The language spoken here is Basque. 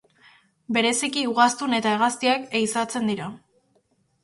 Bereziki ugaztun eta hegaztiak ehizatzen dira.